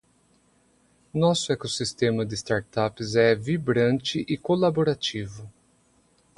Nosso ecossistema de startups é vibrante e colaborativo.